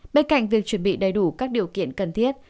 bên cạnh việc chuẩn bị đầy đủ các điều kiện cần thiết